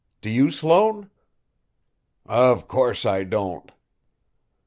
"Do you, Sloane?" "Of course, I don't!"